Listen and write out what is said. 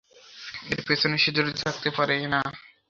এর পেছনে সে জড়িত থাকতে পারেই না!